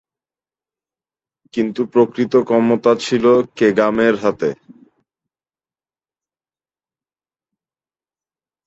কিন্তু প্রকৃত ক্ষমতা ছিল কেগামে’র হাতে।